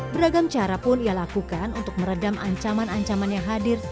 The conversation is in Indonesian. beragam cara pun ia lakukan untuk meredam ancaman ancaman yang hadir